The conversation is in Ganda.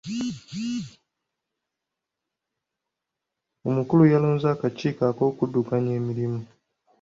Omukulu yalonze akakiiko okuddukanya emirimu.